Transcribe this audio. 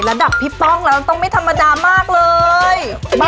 พี่ป้องแล้วต้องไม่ธรรมดามากเลย